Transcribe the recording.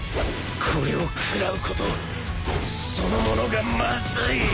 これを食らうことそのものがまずい！